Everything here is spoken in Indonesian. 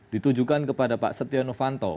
ditujukan kepada pak setiano panto